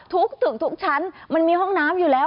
ทุกตึกทุกชั้นมันมีห้องน้ำอยู่แล้ว